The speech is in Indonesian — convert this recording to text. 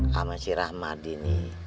sama si rahmadi ini